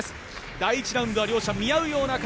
第１ラウンドは両者見合う形。